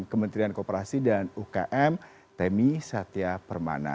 kementerian kooperasi dan ukm temi satya permana